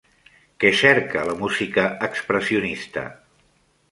Què cerca la música expressionista?